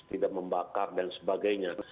tidak membakar dan sebagainya